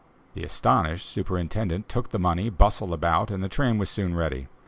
The astonished superintendent took the money, bustled about, and the train was soon ready.